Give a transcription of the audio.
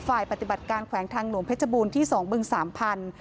ฝ่ายปฏิบัติการแขวงทางหลวงเพชรบูรณ์ที่๒บึงสามพันธุ